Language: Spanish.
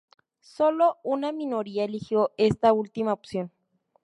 Solo una minoría eligió esta última opción.